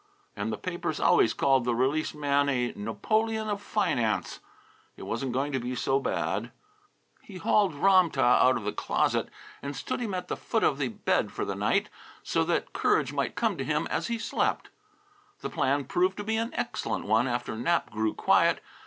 And the papers always called the released man a Napoleon of Finance. It wasn't going to be so bad. He hauled Ram tah out of the closet and stood him at the foot of the bed for the night, so that courage might come to him as he slept. The plan proved to be an excellent one after Nap grew quiet.